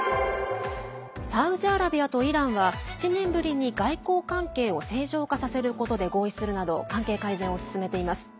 サウジアラビアとイランは７年ぶりに外交関係を正常化させることで合意するなど関係改善を進めています。